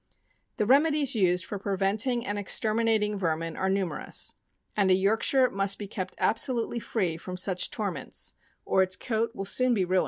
The remedies used for preventing and exterminating ver min are numerous; and a Yorkshire must be kept absolutely free from such torments, or its coat will soon be ruined.